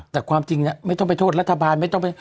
แต่ความจริงเนี่ยไม่ต้องไปโทษรัฐบาลไม่ต้องไป